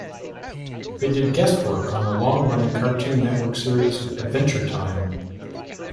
They did guest work on the long running Cartoon Network series "Adventure Time".